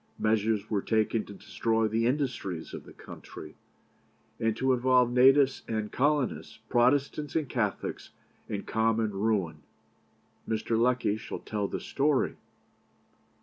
Measures were taken to destroy the industries of the country, and to involve natives and colonists, Protestants and Catholics, in common ruin. Mr. Lecky shall tell the story.